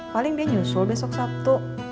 paling dia nyusul besok sabtu